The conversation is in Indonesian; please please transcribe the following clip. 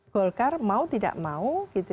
golkar mau tidak mau